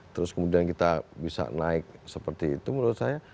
terus kemudian kita bisa naik seperti itu menurut saya